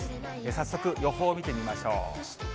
早速予報見てみましょう。